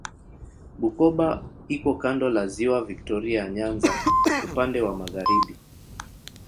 Bukoba iko kando la Ziwa Viktoria Nyanza upande wa magharibi.